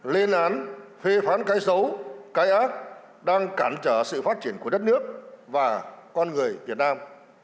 lên án phê phán cái xấu cái ác đang cản trở sự phát triển của đất nước và con người việt nam